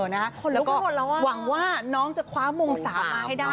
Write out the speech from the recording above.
และหวังว่าน้องจะคว้างมงสามากได้นะ